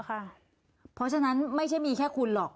เพราะฉะนั้นไม่ใช่มีแค่คุณหรอก